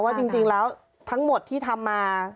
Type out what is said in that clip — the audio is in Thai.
ว่าจริงแล้วทั้งหมดที่ทำมา